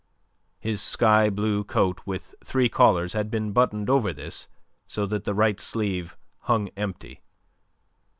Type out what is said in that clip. His sky blue coat with three collars had been buttoned over this, so that the right sleeve hung empty.